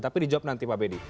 tapi dijawab nanti pak benny